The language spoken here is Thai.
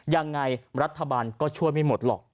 ยังไงรัฐบาลก็ช่วยไม่หมดหรอก